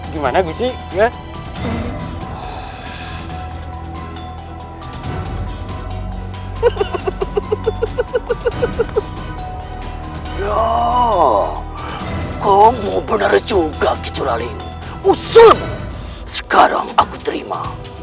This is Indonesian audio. tumbuh menjadi seorang satria